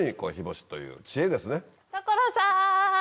所さん。